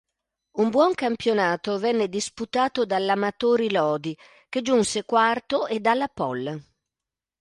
Un buon campionato venne disputato dall'Amatori Lodi che giunse quarto e dalla Pol.